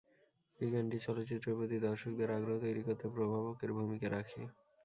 এই গানটি চলচ্চিত্রের প্রতি দর্শকদের আগ্রহ তৈরী করতে প্রভাবকের ভূমিকা রাখে।